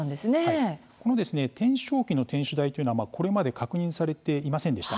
天正期の天守台というのはこれまで確認されていませんでした。